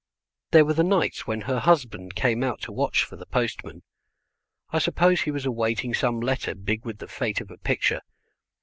There were the nights when her husband came out to watch for the postman. I suppose he was awaiting some letter big with the fate of a picture.